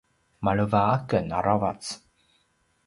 maleva aken aravac